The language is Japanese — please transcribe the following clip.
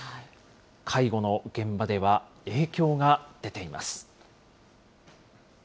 介護の現場では影響が出ています。